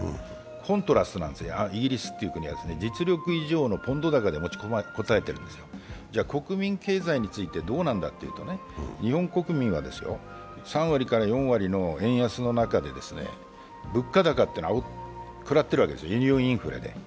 コントラスなんですよ、イギリスという国は実力以上のポンド高で持ちこたえているんですでは、国民経済についてどうなのかというと、日本国民は３割から４割の円安の中で物価高を食らっているわけです、輸入インフレで。